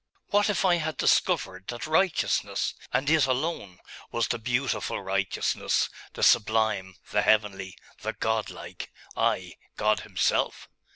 What if I had discovered that righteousness, and it alone, was the beautiful righteousness, the sublime, the heavenly, the Godlike ay, God Himself?